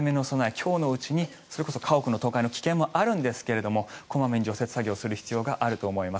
今日のうちにそれこそ家屋の倒壊の危険もあるんですが小まめに除雪作業をする必要があると思います。